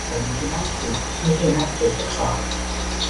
ผมคือนักสืบ ไม่ใช่นักเศรษฐศาสตร์